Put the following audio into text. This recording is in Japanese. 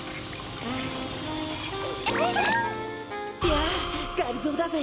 やあがりぞーだぜ！